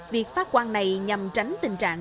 việc phát quang này nhằm tránh tình trạng